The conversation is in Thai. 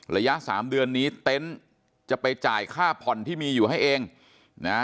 ระยะสามเดือนนี้เต็นต์จะไปจ่ายค่าผ่อนที่มีอยู่ให้เองนะ